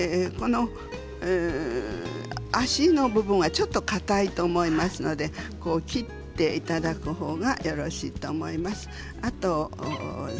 足の部分がちょっとかたいと思いますので切っていただくほうがよろしいと思います。